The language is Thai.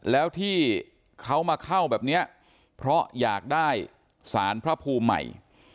แล้วที่เขามาเข้าแบบนี้เพราะอยากได้สารพระภูมิใหม่